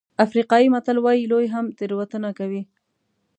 افریقایي متل وایي لوی هم تېروتنه کوي.